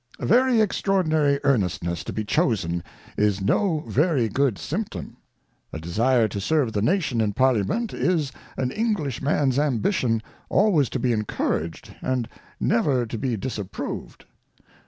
A very extraordinary earnestness to be chosen, is no very good Symptom : A desire to serve the Nation in Parliament, is an English Man's Ambition, always to be Encouraged, and never to be disapproved.